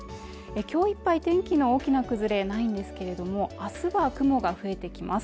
今日いっぱい天気の大きな崩れないんですけれども、明日は雲が増えてきます